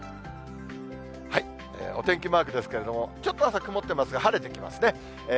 お天気マークですけれども、ちょっと朝、曇ってますが、晴れてきますね。